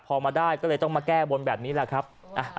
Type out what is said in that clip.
พอมาได้ก็เลยต้องมาแก้บนแบบนี้แหละครับ